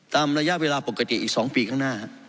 ตามระยะเวลาปกติอีก๒ปีข้างหน้า